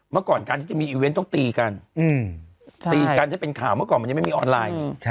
เมื่อก่อนการที่จะมีอีเวนต์ต้องตีกันตีกันถ้าเป็นข่าวเมื่อก่อนมันยังไม่มีออนไลน์